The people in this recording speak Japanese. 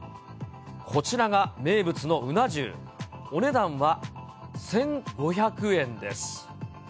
こちらが名物のうな重、お値段は１５００円です。